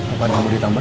apa kamu ditambah